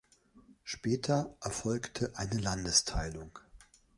Später erfolgte eine Landesteilung.